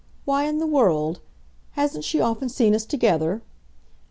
why in the world? hasn't she often seen us together?"